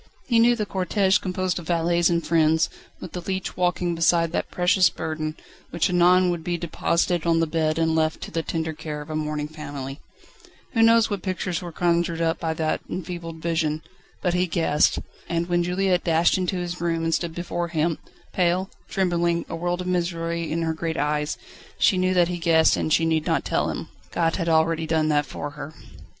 He knew the cortège composed of valets and friends, with the leech walking beside that precious burden, which anon would be deposited on the bed and left to the tender care of a mourning family. Who knows what pictures were conjured up before that enfeebled vision? But he guessed. And when Juliette dashed into his room and stood before him, pale, trembling, a world of misery in her great eyes, she knew that he guessed and that she need not tell him. God had already done that for her.